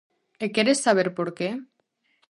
E queres saber por que?